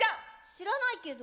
知らないけど。